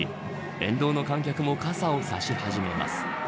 沿道の観客も傘を差し始めます。